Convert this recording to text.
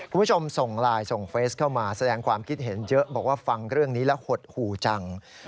คุณผู้ชมส่งไลน์ส่งเฟสเข้ามาแสดงความคิดเห็นเยอะบอกว่าฟังเรื่องนี้แล้วหดหู่จัง